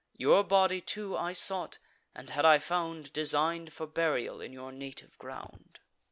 Your body too I sought, and, had I found, Design'd for burial in your native ground."